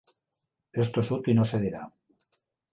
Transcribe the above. És tossut i no cedirà.